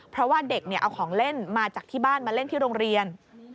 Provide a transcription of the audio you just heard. เพราะว่าเด็กเอาของเล่นมาจากที่บ้านมาเล่นที่โรงเรียน